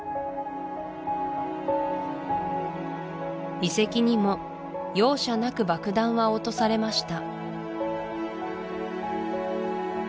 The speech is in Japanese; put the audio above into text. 遺跡にも容赦なく爆弾は落とされました